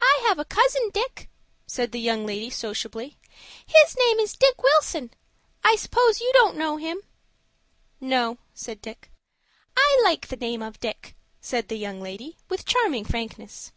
"I have a cousin Dick," said the young lady, sociably. "His name is Dick Wilson. I suppose you don't know him?" "No," said Dick. "I like the name of Dick," said the young lady, with charming frankness.